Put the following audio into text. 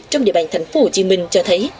trong địa bàn thành phố hồ chí minh cho thấy